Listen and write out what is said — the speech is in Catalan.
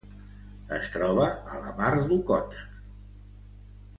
Es troba a la Mar d'Okhotsk.